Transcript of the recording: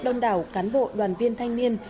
đông đảo cán bộ đoàn viên thanh niên